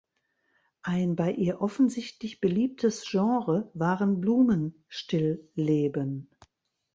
Ein bei ihr offensichtlich beliebtes Genre waren Blumenstillleben.